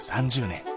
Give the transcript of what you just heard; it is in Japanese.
３０年